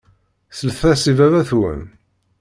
Slet-as i baba-twen.